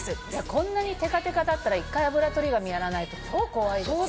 こんなにテカテカだったら１回あぶらとり紙やらないと超怖いですよ。